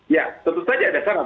ya tentu saja ada syarat